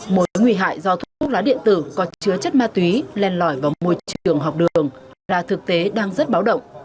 mối nguy hại do thuốc lá điện tử có chứa chất ma túy len lỏi vào môi trường học đường là thực tế đang rất báo động